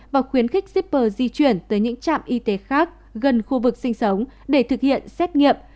và khuyến khích shipper di chuyển tới những trạm y tế khác gần khu vực sinh sống để thực hiện xét nghiệm